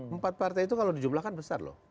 empat partai itu kalau dijumlahkan besar loh